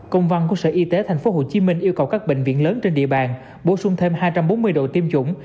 công văn của sở y tế tp hcm yêu cầu các bệnh viện lớn trên địa bàn bổ sung thêm hai trăm bốn mươi độ tiêm chủng